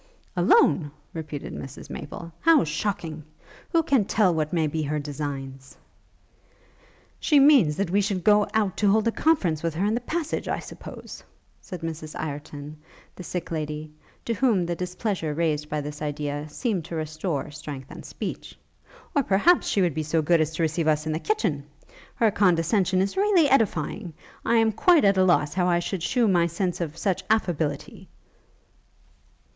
'Alone!' repeated Mrs Maple, 'How shocking! Who can tell what may be her designs?' 'She means that we should go out to hold a conference with her in the passage, I suppose?' said Mrs Ireton, the sick lady, to whom the displeasure raised by this idea seemed to restore strength and speech; 'or, perhaps, she would be so good as to receive us in the kitchen? Her condescension is really edifying! I am quite at a loss how I shall shew my sense of such affability.'